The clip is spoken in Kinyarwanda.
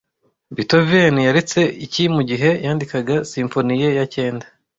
Beethoven yaretse iki mugihe yandikaga simfoni ye ya cyenda